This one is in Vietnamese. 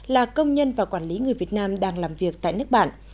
là công nhân và quản lý người việt nam đang làm việc tại nước bạn